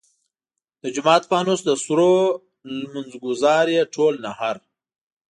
د جومات فانوس د سرو لمونځ ګزار ئې ټول نهر !